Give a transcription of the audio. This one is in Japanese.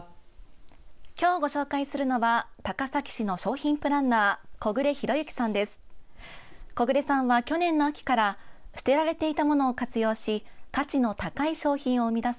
今日ご紹介するのは高崎市の商品プランナー木榑浩之さんです。